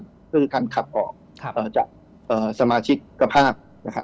ก็คือการขับออกจากสมาชิกกระภาพ